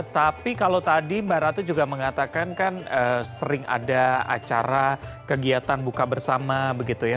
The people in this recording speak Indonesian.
tapi kalau tadi mbak ratu juga mengatakan kan sering ada acara kegiatan buka bersama begitu ya